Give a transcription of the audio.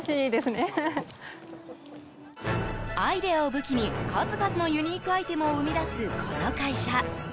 アイデアを武器に数々のユニークアイテムを生み出す、この会社。